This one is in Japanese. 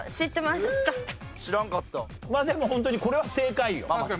まあでもホントにこれは正解よ。